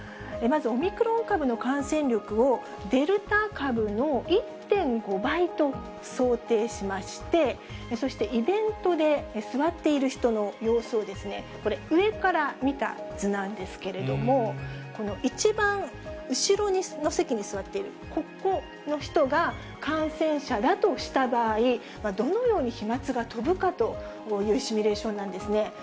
まずオミクロン株の感染力を、デルタ株の１．５倍と想定しまして、そしてイベントで、座っている人の様子を、これ、上から見た図なんですけれども、この一番後ろの席に座っているここの人が感染者だとした場合、どのように飛まつが飛ぶかというシミュレーションなんですね。